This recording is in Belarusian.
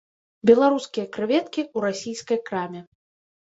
Беларускія крэветкі ў расійскай краме.